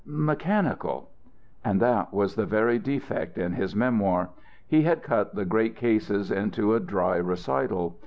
mechanical. And that was the very defect in his memoir. He had cut the great cases into a dry recital.